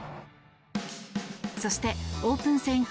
そしてオープン戦